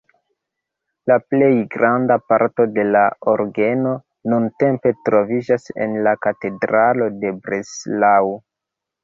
La plej granda parto de la orgeno nuntempe troviĝas en la katedralo de Breslau.